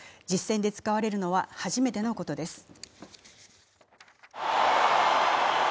実戦で使われるのは初めてのことです。